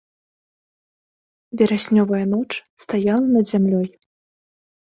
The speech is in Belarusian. Вераснёвая ноч стаяла над зямлёй.